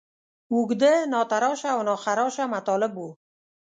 اوږده، ناتراشه او ناخراشه مطالب وو.